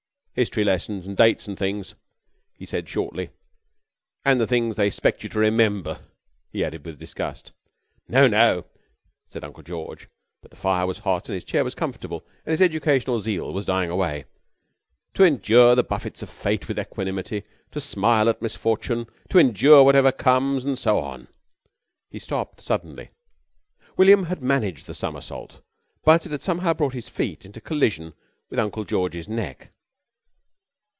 "History lessons an' dates an' things," he said shortly. "An' the things they 'spect you to remember !" he added with disgust. "No, no," said Uncle George, but the fire was hot and his chair was comfortable and his educational zeal was dying away, "to endure the buffets of fate with equanimity, to smile at misfortune, to endure whatever comes, and so on " He stopped suddenly. William had managed the somersault, but it had somehow brought his feet into collision with Uncle George's neck.